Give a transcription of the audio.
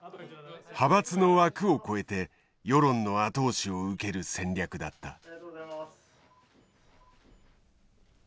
派閥の枠を超えて世論の後押しを受ける戦略だった。